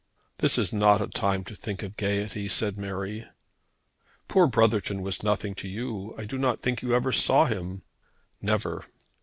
"This is not a time to think of gaiety," said Mary. "Poor Brotherton was nothing to you. I do not think you ever saw him." "Never."